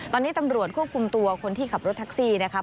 ตอนนี้ตำรวจควบคุมตัวคนที่ขับรถแท็กซี่นะคะ